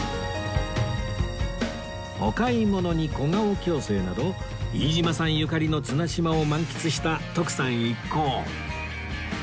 お買い物に小顔矯正など飯島さんゆかりの綱島を満喫した徳さん一行